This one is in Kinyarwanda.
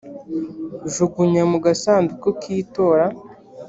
jugunya mu gasanduku k’itora